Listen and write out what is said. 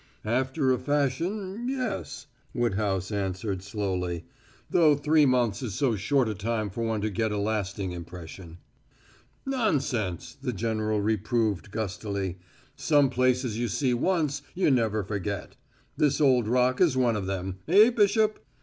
"After a fashion, yes," Woodhouse answered slowly. "Though three months is so short a time for one to get a lasting impression." "Nonsense!" the general reproved gustily. "Some places you see once you never forget. This old Rock is one of them; eh, Bishop?"